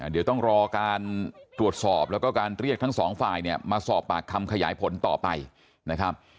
เดี๋ยวต้องรอการตรวจสอบแล้วก็การเรียกทั้งสองฝ่ายเนี่ยมาสอบปากคำขยายผลต่อไปนะครับ